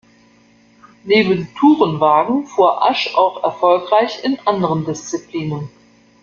Neben Tourenwagen fuhr Asch auch erfolgreich in anderen Disziplinen.